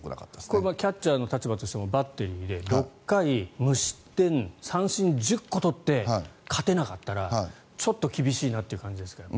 これはキャッチャーの立場からしてもバッテリーで、６回無失点三振１０個取って勝てなかったらちょっと厳しいなという感じですね。